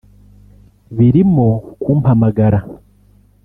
birimo kumpamagara